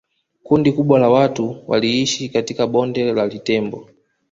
Kundi kubwa la watu wailishi katika Bonde la Litembo